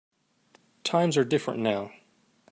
Times are different now.